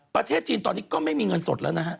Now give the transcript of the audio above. ประเทศจีนตอนนี้ก็ไม่มีเงินสดแล้วนะฮะ